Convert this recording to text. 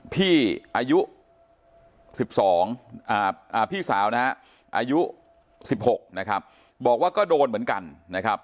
พี่อายุ๑๒พี่สาวนะฮะอายุ๑๖นะครับบอกว่าก็โดนเหมือนกันนะครับ